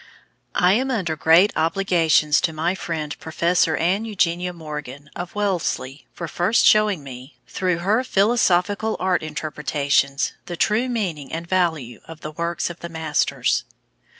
I am under great obligations to my friend Professor Anne Eugenia Morgan of Wellesley for first showing me, through her philosophical art interpretations, the true meaning and value of the works of the masters.